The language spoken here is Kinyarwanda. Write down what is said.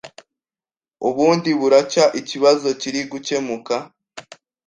ubundi buracya ikibazo kiri gucyemuka.